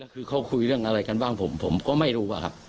คือเขาคุยเรื่องอะไรกันบ้างผมก็ไม่รู้อะครับ